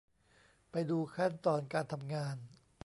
ไปดูขั้นตอนการทำงาน